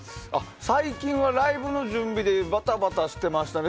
最近はライブの準備でバタバタしてましたね。